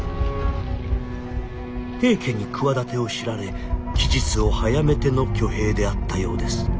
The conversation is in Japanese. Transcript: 「平家に企てを知られ期日を早めての挙兵であったようです」。